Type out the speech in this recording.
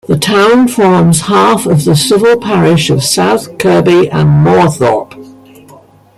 The town forms half of the civil parish of South Kirkby and Moorthorpe.